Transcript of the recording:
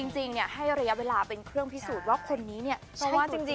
จริงให้ระยะเวลาเป็นเครื่องพิสูจน์ว่าคนนี้เนี่ยใช่ตัวจริงป่ะ